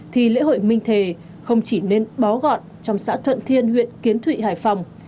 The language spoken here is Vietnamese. thì lễ hội minh thề không chỉ nên bó gọn trong xã thuận thiên huyện kiến thụy hải phòng